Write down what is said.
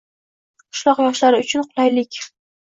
Qishloq yoshlari uchun qulaylikng